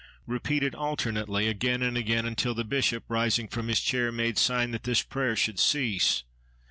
repeated alternately, again and again, until the bishop, rising from his chair, made sign that this prayer should cease.